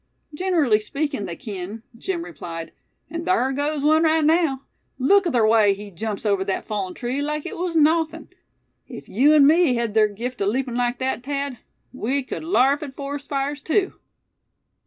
"Gin'rally speakin' they kin," Jim replied; "an' thar goes wun rite naow. Look at ther way he jumps over thet fallen tree like it was nawthin'. Ef yeou an' me hed ther gift o' leapin' like thet, Thad, we cud larf at forest fires tew."